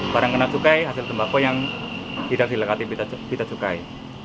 barang kena cukai hasil tembakau yang tidak cukai